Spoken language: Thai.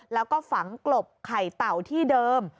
แล้วก็ฝังกลบไข่เต่าที่เดิม